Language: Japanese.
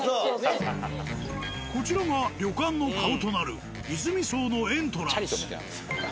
こちらが旅館の顔となるいづみ荘のエントランス。